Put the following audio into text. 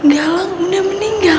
galang udah meninggal